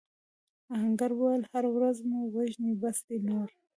آهنګر وویل هره ورځ مو وژني بس دی نور.